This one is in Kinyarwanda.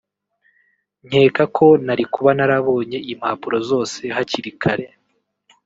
nkeka ko nari kuba narabonye impapuro zose hakiri kare